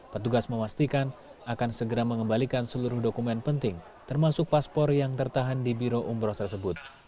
petugas memastikan akan segera mengembalikan seluruh dokumen penting termasuk paspor yang tertahan di biro umroh tersebut